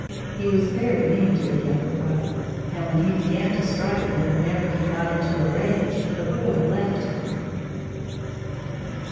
He was very mean to the younger brother, and when he began to strike Ben whenever he got into a rage, the boy left him.